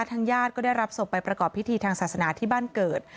ทางญาติก็ได้รับศพไปประกอบพิธีทางศาสนาที่บ้านเกิด